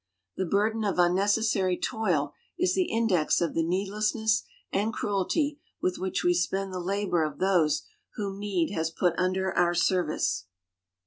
This burden of unnecessary toil is the index of the needlessness and cruelty with which we spend the labour of those whom need has put under our service.